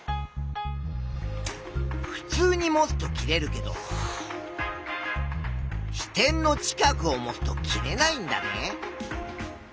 ふつうに持つと切れるけど支点の近くを持つと切れないんだね。